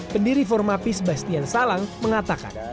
pendiri formapi sebastian salang mengatakan